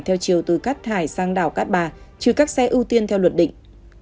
theo chiều từ cát hải sang đảo cát bà chứ các xe ưu tiên theo luật định